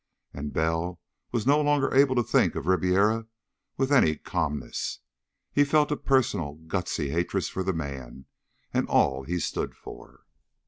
And Bell was no longer able to think of Ribiera with any calmness. He felt a personal, gusty hatred for the man and all he stood for.